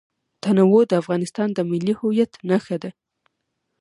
تنوع د افغانستان د ملي هویت نښه ده.